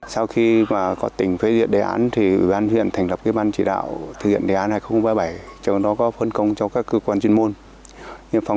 sau khi mà có tỉnh phế diện đề án thì ủy ban huyện thành lập cái ban chỉ đạo thực hiện đề án hai nghìn ba mươi bảy cho nó có phân công cho các cơ quan chuyên môn